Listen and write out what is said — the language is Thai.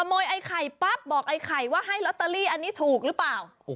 ไอ้ไข่ปั๊บบอกไอ้ไข่ว่าให้ลอตเตอรี่อันนี้ถูกหรือเปล่า